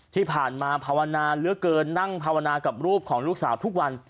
ที่ผ่านมาภาวนาเหลือเกินนั่งภาวนากับรูปของลูกสาวทุกวัน